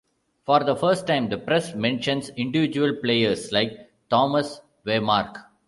For the first time, the press mentions individual players like Thomas Waymark.